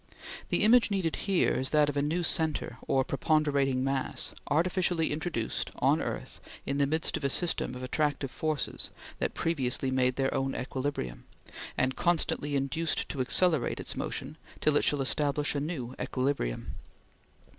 The image needed here is that of a new centre, or preponderating mass, artificially introduced on earth in the midst of a system of attractive forces that previously made their own equilibrium, and constantly induced to accelerate its motion till it shall establish a new equilibrium.